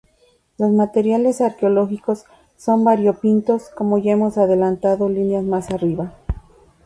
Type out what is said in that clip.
Los materiales arqueológicos son variopintos como ya hemos adelantado líneas más arriba.